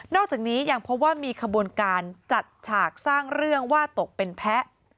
อกจากนี้ยังพบว่ามีขบวนการจัดฉากสร้างเรื่องว่าตกเป็นแพ้